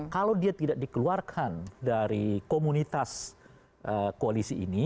kalau dia tidak dikeluarkan dari komunitas koalisi ini